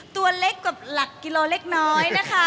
ตัวเล็กกว่าหลักกิโลเล็กน้อยนะคะ